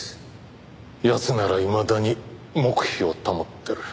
奴ならいまだに黙秘を保ってる。